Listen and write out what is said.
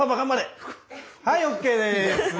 はいＯＫです！